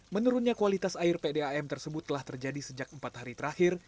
menurunnya kualitas air pdam tersebut telah terjadi sejak empat hari terakhir